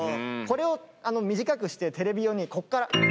これを短くしてテレビ用にこっから。